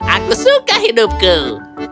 aku suka hidupku